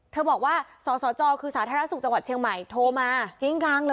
เธอบอกว่าสสจคือสาธารณสุขจังหวัดเชียงใหม่โทรมา